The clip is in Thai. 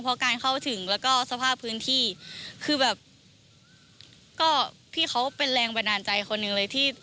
พอการเข้าถึงแล้วก็สภาพพื้นที่คือแบบก็พี่เขาเป็นแรงบันดาลใจคนหนึ่งเลยที่